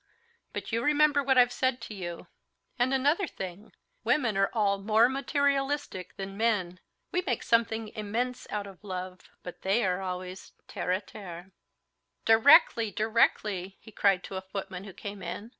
But you remember what I've said to you. And another thing, women are all more materialistic than men. We make something immense out of love, but they are always terre à terre." "Directly, directly!" he cried to a footman who came in.